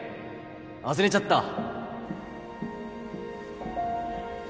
忘れちゃったわ